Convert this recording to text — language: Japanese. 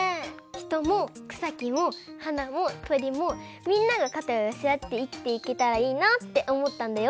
ひともくさきもはなもとりもみんながかたをよせあっていきていけたらいいなっておもったんだよ。